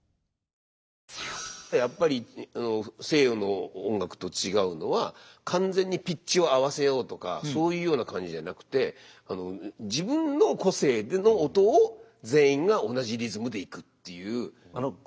やっぱり西洋の音楽と違うのは完全にピッチを合わせようとかそういうような感じじゃなくて自分の個性での音を全員が同じリズムでいくっていう。